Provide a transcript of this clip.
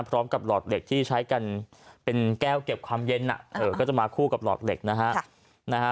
หลอดเหล็กที่ใช้กันเป็นแก้วเก็บความเย็นก็จะมาคู่กับหลอดเหล็กนะฮะ